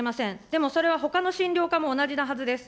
でもそれはほかの診療科も同じなはずです。